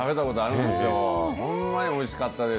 ほんまにおいしかったです。